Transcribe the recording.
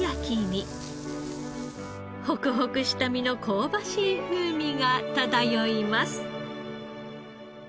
ホクホクした身の香ばしい風味が漂います。